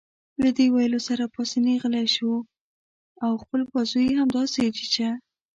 له دې ویلو سره پاسیني غلی شو او خپل بازو يې همداسې چیچه.